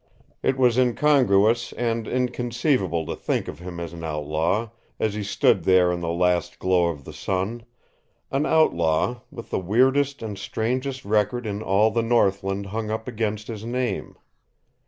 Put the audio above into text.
It was incongruous and inconceivable to think of him as an outlaw, as he stood there in the last glow of the sun an outlaw with the weirdest and strangest record in all the northland hung up against his name.